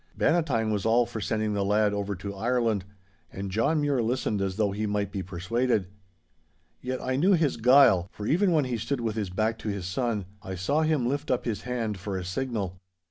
Bannatyne was all for sending the lad over to Ireland. And John Mure listened as though he might be persuaded. Yet I knew his guile, for even when he stood with his back to his son, I saw him lift up his hand for a signal.